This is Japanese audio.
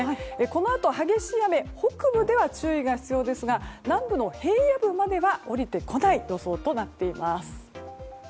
このあと激しい雨北部では注意が必要ですが南部の平野部までは降りてこない予想となっています。